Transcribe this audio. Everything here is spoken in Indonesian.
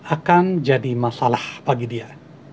akan jadi masalah bagi dia